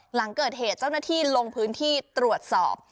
หลังเกิดเหตุเจ้าหน้าที่ลงพื้นที่ตรวจสอบ